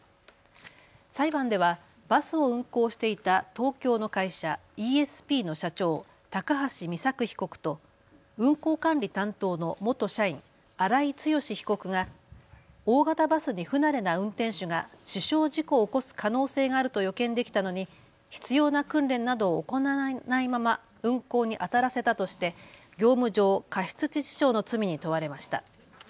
裁判ではバスを運行していた東京の会社、イーエスピーの社長、高橋美作被告と運行管理担当の元社員、荒井強被告が大型バスに不慣れな運転手が死傷事故を起こす可能性があると予見できたのに必要な訓練などを行わないまま運行にあたらせたとして業務上過失致死傷の罪に問われました。